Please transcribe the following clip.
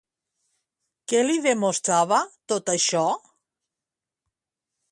Què li demostrava tot això?